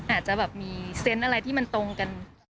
อาจจะแบบมีเซนต์อะไรที่มันตรงกัน